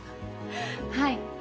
はい。